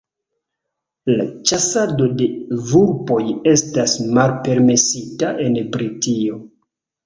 ĉasado de vulpoj estas malpermesita en Britio.